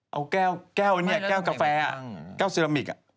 เอาแก้วอันนี้แก้วกาแฟแก้วเซรามิก